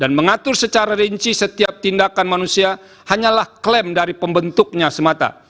dan mengatur secara rinci setiap tindakan manusia hanyalah klaim dari pembentuknya semata